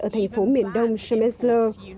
ở thành phố miền đông shemesler